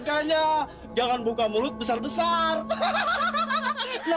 makanya jangan buka mulut besar besar